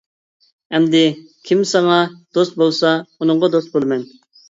ئەمدى كىم ساڭا دوست بولسا، ئۇنىڭغا دوست بولىمەن.